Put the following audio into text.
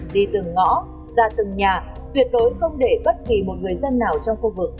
đi từng ngõ ra từng nhà tuyệt đối không để bất kỳ một người dân nào trong khu vực